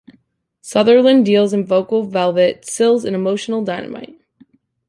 Sutherland deals in vocal velvet, Sills in emotional dynamite.